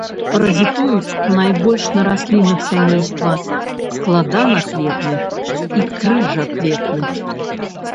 Паразітуюць найбольш на раслінах сямейства складанакветных і крыжакветных.